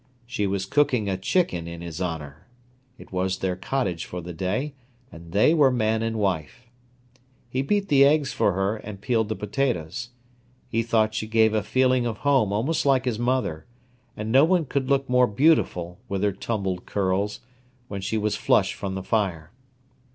She was cooking a chicken in his honour. It was their cottage for the day, and they were man and wife. He beat the eggs for her and peeled the potatoes. He thought she gave a feeling of home almost like his mother; and no one could look more beautiful, with her tumbled curls, when she was flushed from the fire.